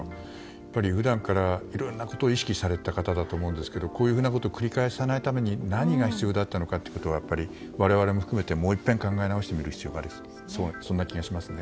やっぱり普段からいろいろなことを意識されていた方だと思うんですがこういうふうなことを繰り返さないために何が必要だったのかということは我々も含めてもういっぺん考える必要がある気がしますね。